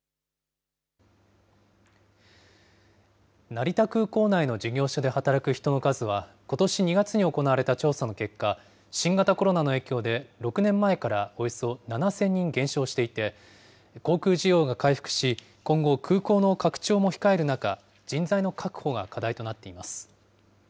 成田空港内の事業所で働く人の数は、ことし２月に行われた調査の結果、新型コロナの影響で、６年前からおよそ７０００人減少していて、航空需要が回復し、今後、空港の拡張も控える中、人材の確保が課題となっています。